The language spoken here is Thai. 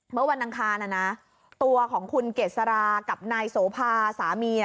เมื่อวันอันคารน่ะนะตัวของคุณเกร็ดสารากับนายโสภาสามีน่ะ